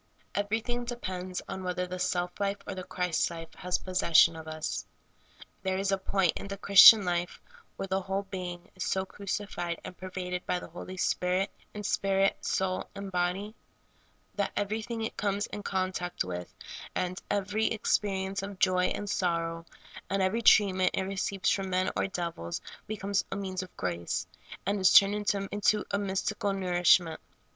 Every thing depends on whether the self life or the Christ life has possession of us. There is a point in the Christian life where the whole being is so crucified and per\'aded by the Holy Spirit, in spirit, soul, and body, that everything it coines in contact with, and every ex perience of joy and sorrow, and ever}^ treatment it re ceives from men or devils, becomes a means of grace, and is turned into a mystical nourishment.